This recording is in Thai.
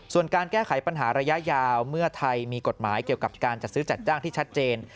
ส่วนการแก้ไขปัญหาระยะยาวเมื่อไทยมีกฎหมายเกี่ยวกับการจัดซื้อจัดจ้างที่ชัดเจน